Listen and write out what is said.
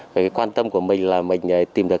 cái quan tâm của mình là mình tìm được